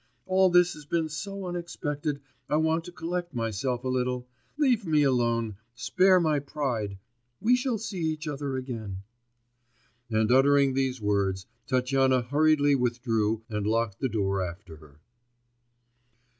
All this has been so unexpected I want to collect myself a little ... leave me alone ... spare my pride. We shall see each other again.' And uttering these words, Tatyana hurriedly withdrew and locked the door after her.